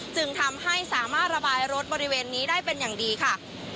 จึงทำให้สามารถระบายรถบริเวณนี้ได้เป็นอย่างดีค่ะ